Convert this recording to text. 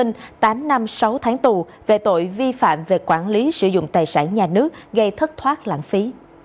tám năm sáu tháng tù về tội vi phạm về quản lý sử dụng tài sản nhà nước gây thất thoát lãng phí